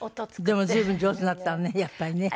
でも随分上手になっていたのねやっぱりね。